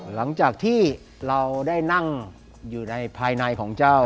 หลังจากที่เราได้นั่งอยู่ในภายในของเจ้า